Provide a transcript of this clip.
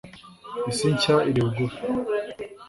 isi nshya iri bugufi